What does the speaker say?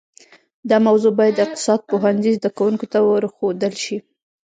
دا موضوع باید د اقتصاد پوهنځي زده کونکو ته ورښودل شي